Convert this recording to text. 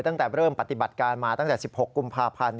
ตั้งแต่เริ่มปฏิบัติการมาตั้งแต่๑๖กุมภาพันธ์